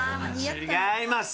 違います。